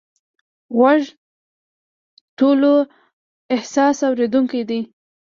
غوږ ټولو حساس اورېدونکی دی.